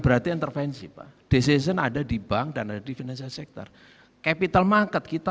berarti intervensi pak decision ada di bank dan ada di financial sector capital market kita